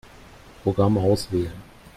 Programm auswählen.